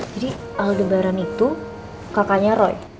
jadi aldebaran itu kakaknya roy